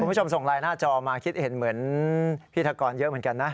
คุณผู้ชมส่งไลน์หน้าจอมาคิดเห็นเหมือนพิธีกรเยอะเหมือนกันนะ